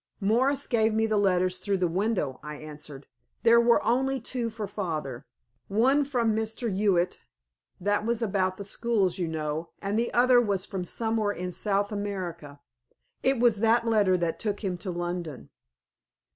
"Morris gave me the letters through the window," I answered. "There were only two for father. One was from Mr. Hewitt that was about the schools you know, and the other was from somewhere in South America. It was that letter which took him to London."